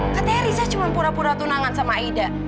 katanya riza cuma pura pura tunangan sama ida